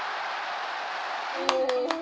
お。